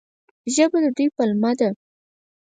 ژبه د دوی پلمه ده.